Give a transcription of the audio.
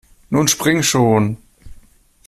Nun spring schon!